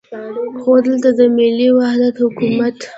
خو دلته د ملي وحدت حکومت.